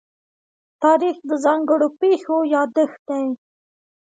تاریخ د ځانګړو پېښو يادښت دی.